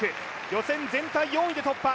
予選全体４位で突破。